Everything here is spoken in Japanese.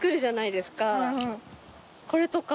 これとか。